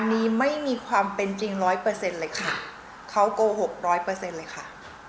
อันนี้ไม่มีความเป็นจริงร้อยเปอร์เซ็นต์เลยค่ะเขาโกหกร้อยเปอร์เซ็นต์เลยค่ะ